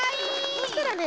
そしたらね